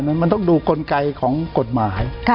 มันต้องดูกลไกของกฎหมาย